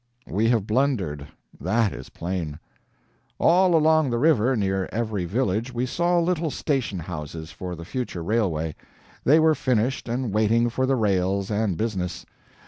We have blundered, that is plain. All along the river, near every village, we saw little station houses for the future railway. They were finished and waiting for the rails and business.